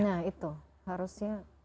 nah itu harusnya